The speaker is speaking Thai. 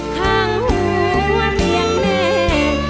ข้างหัวเรียงแนก